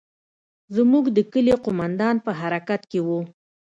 زموږ د کلي قومندان په حرکت کښې و.